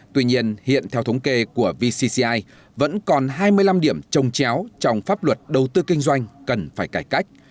tuy nhiên hiện theo thống kê của vcci vẫn còn hai mươi năm điểm trông chéo trong pháp luật đầu tư kinh doanh cần phải cải cách